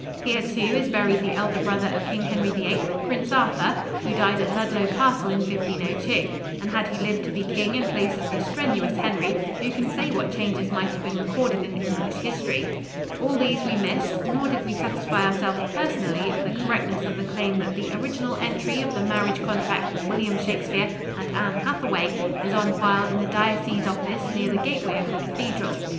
Here, too, is buried the elder brother of King Henry VIII, Prince Arthur, who died at Ludlow Castle in 1502; and had he lived to be king in place of the strenuous Henry, who can say what changes might have been recorded in English history? All these we missed; nor did we satisfy ourselves personally of the correctness of the claim that the original entry of the marriage contract of William Shakespeare and Anne Hathaway is on file in the diocese office near the gateway of the cathedral.